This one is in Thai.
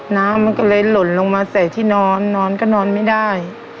น้ำมันก็เลยหล่นลงมาใส่ที่นอนนอนก็นอนไม่ได้